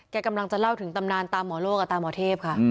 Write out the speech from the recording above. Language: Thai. กำลังจะเล่าถึงตำนานตามหมอโลกกับตาหมอเทพค่ะ